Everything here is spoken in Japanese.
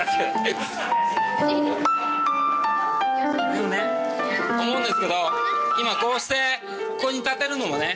でもね思うんですけど今こうしてここに立てるのもね